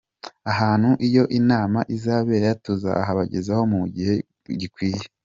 Ahantu iyo nama izabera tuzahabagezaho mu gihe gikwiye.